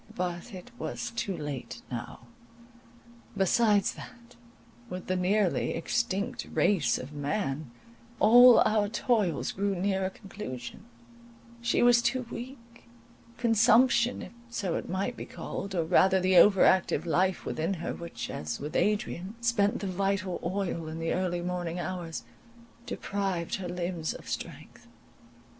But it was too late now. Besides that, with the nearly extinct race of man, all our toils grew near a conclusion, she was too weak; consumption, if so it might be called, or rather the over active life within her, which, as with Adrian, spent the vital oil in the early morning hours, deprived her limbs of strength.